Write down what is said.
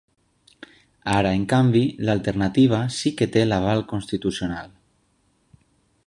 Ara, en canvi, l’alternativa sí que té l’aval constitucional.